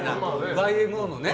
ＹＭＯのね。